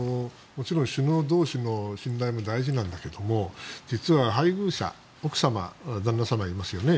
もちろん首脳同士の信頼も大事なんだけど実は配偶者奥様、旦那様がいますよね。